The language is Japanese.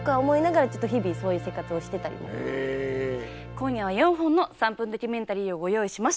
今夜は４本の「３分ドキュメンタリー」をご用意しました。